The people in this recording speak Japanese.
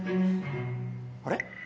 あれ？